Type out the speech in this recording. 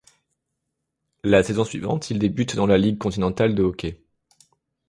La saison suivante, il débute dans la Ligue continentale de hockey.